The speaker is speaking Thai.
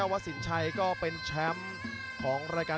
วัดสินชัยก็เป็นแชมป์ของรายการ